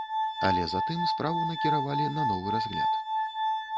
Але затым справу накіравалі на новы разгляд.